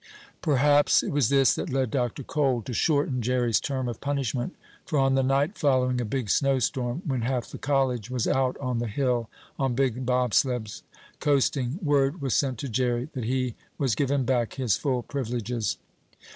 Perhaps it was this that led Dr. Cole to shorten Jerry's term of punishment, for on the night following a big snow storm, when half the college was out on the hill on big bobsleds, coasting, word was sent to Jerry that he was given back his full privileges.